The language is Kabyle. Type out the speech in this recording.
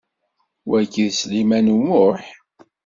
Wagi d Sliman U Muḥ?